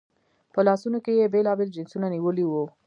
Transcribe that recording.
په لاسونو کې یې بېلابېل جنسونه نیولي وو.